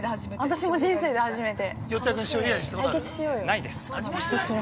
◆私も人生で初めて。